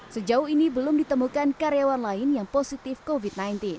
sejauh ini belum ditemukan karyawan lain yang positif covid sembilan belas